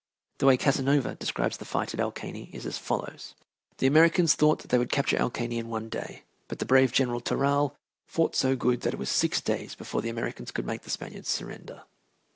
The way Casanova describes the fight at El Caney is as follows: "The Americans thought they could capture El Caney in one day, but the brave General Toral fought so good that it was six days before the Americans could make the Spaniards surrender."